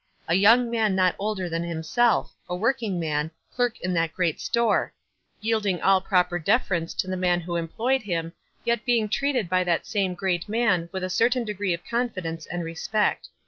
A young mau not older than WISE AND OTHERWISE. 79 himself — a working man — clerk in that great store — vie Idi per deference to the man who employee! him, yet being treated by that same great man with a certain degree of confi dence and respect.